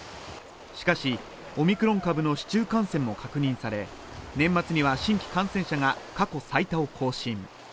しかしオミクロン株の市中感染も確認され年末には新規感染者が過去最多を更新